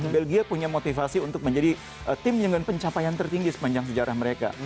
belgia punya motivasi untuk menjadi tim dengan pencapaian tertinggi sepanjang sejarah mereka